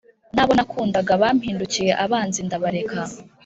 Nabo nakundaga bampindukiye abanzi ndabareka